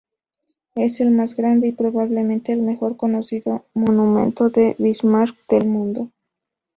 Es el más grande y probablemente el mejor conocido monumento a Bismarck del mundo.